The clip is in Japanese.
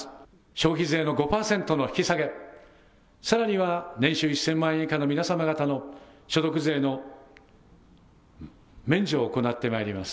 消費税の５％の引き下げ、さらには年収１０００万円以下の皆様方の所得税の免除を行ってまいります。